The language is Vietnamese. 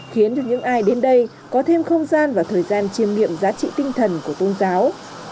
khiến cho những ai đến đây có thêm không gian và thời gian chiêm nghiệm giá trị tinh thần của tôn giáo